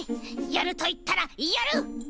やるといったらやる！